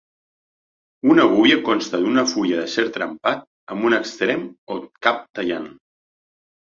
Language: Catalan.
Una gúbia consta d'una fulla d'acer trempat amb un extrem o cap tallant.